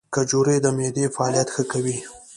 کجورې د معدې فعالیت ښه کوي.